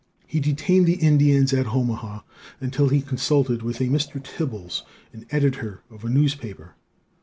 He detained the Indians at Omaha until he consulted with a Mr. Tibbies, an editor of a newspaper.